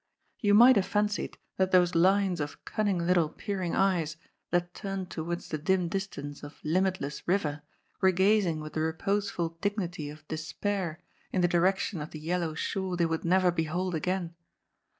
You might have fancied that those lines of cunning little peering eyes that turned towards the dim distance of limitless river were gazing with the reposeful dignity of despair In the direction of the yel low shore they would never behold again.